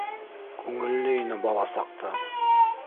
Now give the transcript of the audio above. Күңелле ине бала саҡта.